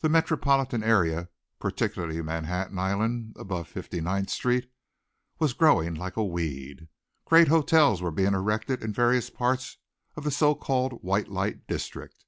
The metropolitan area, particularly Manhattan Island above Fifty ninth Street, was growing like a weed. Great hotels were being erected in various parts of the so called "white light" district.